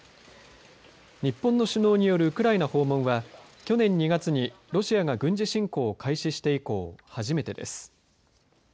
日本の首脳によるウクライナ訪問は去年２月にロシアが軍事侵攻を開始して以降初めてです。